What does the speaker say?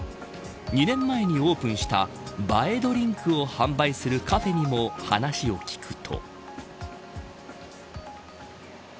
２年前にオープンした映えドリンクを販売するカフェにも話を聞くと。